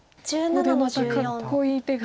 ここでまたかっこいい手が。